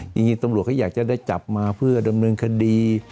จริงตำรวจเขาอยากจะได้จับมาเพื่อดำเนินคดี